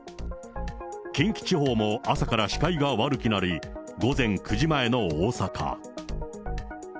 近畿地方も朝から視界が悪くなり、午前９時前の大阪。